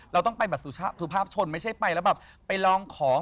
เราต้องไปแบบสุภาพชนไม่ใช่ไปแล้วแบบไปลองของ